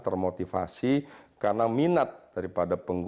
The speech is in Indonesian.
termotivasi karena minat daripada pengguna